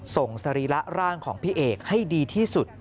สรีระร่างของพี่เอกให้ดีที่สุด